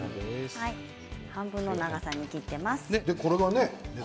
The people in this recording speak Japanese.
半分の長さに切っています。